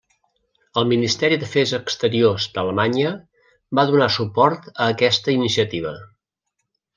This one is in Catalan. El Ministeri d'Afers Exteriors d'Alemanya va donar suport a aquesta iniciativa.